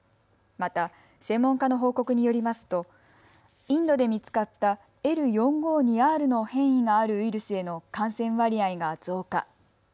また、専門家の報告によりますとインドで見つかったＬ４５２Ｒの変異があるウイルスへの感染割合が増加。